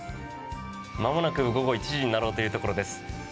まもなく午後１時になろうというところです。